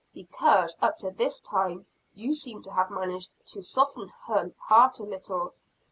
"Because, up to this time, you seem to have managed to soften her heart a little."